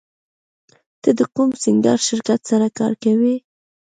ته د کوم سینګار شرکت سره کار کوې